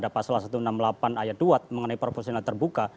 pasal satu ratus enam puluh delapan ayat dua mengenai proporsional terbuka